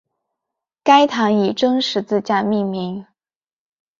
该堂以真十字架命名。